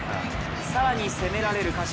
更に攻められる鹿島。